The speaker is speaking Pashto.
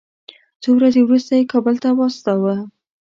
څو ورځې وروسته یې کابل ته واستاوه.